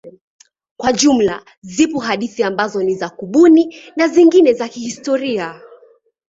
Kwa jumla zipo hadithi ambazo ni za kubuni na zingine za kihistoria.